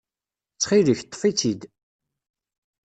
Ttxil-k, ṭṭef-itt-id.